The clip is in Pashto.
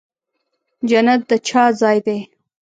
جنت د چا ځای دی؟